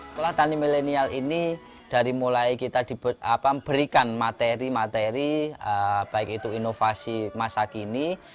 sekolah tani milenial ini dari mulai kita diberikan materi materi baik itu inovasi masa kini